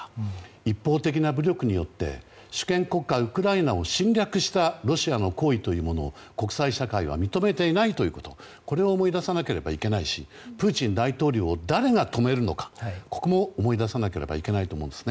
一方的な武力によって主権国家ウクライナを侵略したロシアの行為を国際社会は認めていないということを思い出さなければいけないしプーチン大統領を誰が止めるのかここも思い出さなければと思うんですね。